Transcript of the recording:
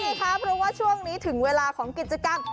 ใช่ครับเพราะว่าช่วงนี้ถึงเวลาของกิจกรรม